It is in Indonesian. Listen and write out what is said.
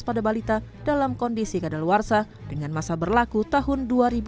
pada balita dalam kondisi kadaluarsa dengan masa berlaku tahun dua ribu dua puluh